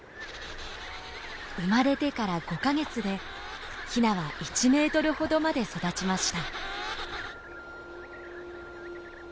生まれてから５か月でヒナは１メートルほどまで育ちました。